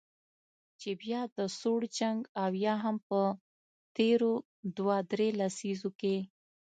چې بیا د سوړ جنګ او یا هم په تیرو دوه درې لسیزو کې